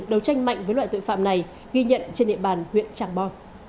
đấu tranh mạnh với loại tội phạm này ghi nhận trên địa bàn huyện trạng bò